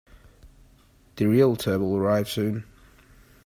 The Realtor will arrive soon.